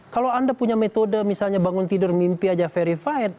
kalau anda punya metode misalnya bangun tidur mimpi aja verified